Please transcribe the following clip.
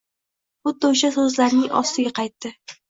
Xuddi o’sha so’zlarning ostiga qaytdi